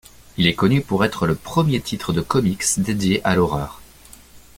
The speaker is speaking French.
Il est connu pour être le premier titre de comics dédié à l'horreur.